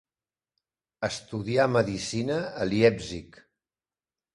Estudià medicina a Leipzig.